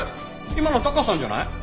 今のタカさんじゃない？